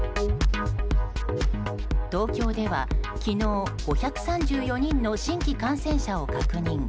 東京では昨日５３４人の新規感染者を確認。